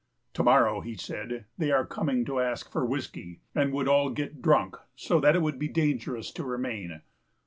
To morrow, he said, they are coming to ask for whiskey, and would all get drunk, so that it would be dangerous to remain.